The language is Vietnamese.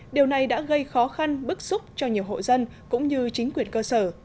điều này đã gây khó khăn bức xúc cho nhiều hộ dân cũng như chính quyền cơ sở